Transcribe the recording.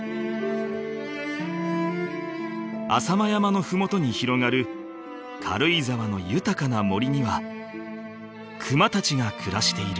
［浅間山の麓に広がる軽井沢の豊かな森にはクマたちが暮らしている］